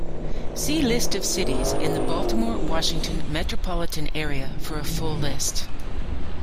"See List of cities in the Baltimore–Washington metropolitan area for a full list.